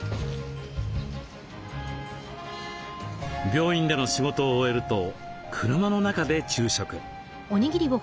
病院での仕事を終えると車の中で昼食。